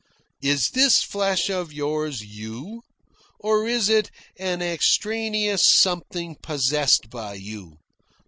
"Is this flesh of yours you? Or is it an extraneous something possessed by you?